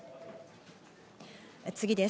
次です。